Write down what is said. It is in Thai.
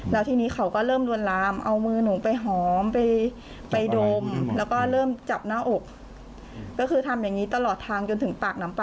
แล้วทีนี้เขาก็เริ่มลวนลามเอามือหนูไปหอมไปดมแล้วก็เริ่มจับหน้าอก